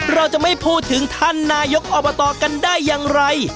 เราจะไม่พูดถึงท่านนายกอบตกันได้อย่างไร